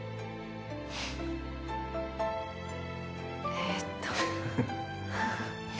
えっと。